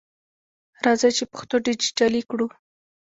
راځئ چې پښتو ډیجټالي کړو!